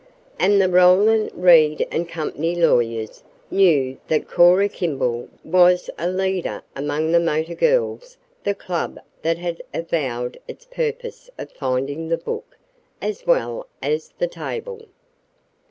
And the Roland, Reed & Company lawyers knew that Cora Kimball was a leader among the motor girls the club that had avowed its purpose of finding the book, as well as the table.